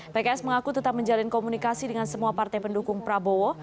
pks mengaku tetap menjalin komunikasi dengan semua partai pendukung prabowo